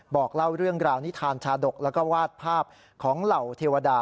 บอกเล่าเรื่องราวนิทานชาดกแล้วก็วาดภาพของเหล่าเทวดา